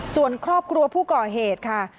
ส่วนครอบครัวผู้ก่อเหตุค่ะ